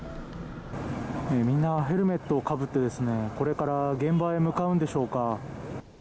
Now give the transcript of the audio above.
みんなヘルメットをかぶってこれから現場へ向かうんでしょうか。